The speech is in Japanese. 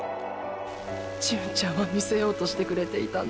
純ちゃんは見せようとしてくれていたんだ。